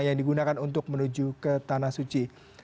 yang digunakan untuk menuju ke tanah suci